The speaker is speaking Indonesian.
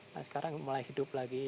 nah sekarang mulai hidup lagi